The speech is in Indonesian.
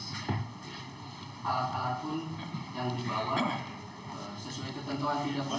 walaupun yang dibawa sesuai ketentuan tidak boleh melakukan